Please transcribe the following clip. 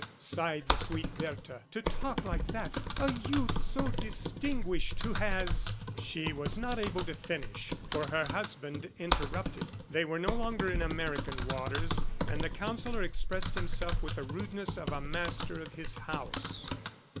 sighed the sweet Bertha, "to talk like that, a youth so distinguished who has ..." She was not able to finish, for her husband interrupted. They were no longer in American waters, and the Counsellor expressed himself with the rudeness of a master of his house.